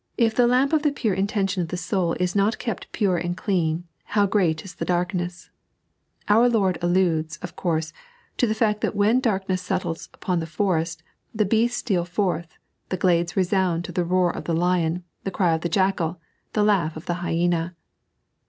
If the lamp of the pure intention of the soul is not kept pure and clean, " how great is the darkness !" Our Lord alludes, of course, to the fact that when darkness settles upon the forest, the beasts steal forth, the glades resound to tbe roar of the lion, the cry of the jackal, the laugh of the hyena.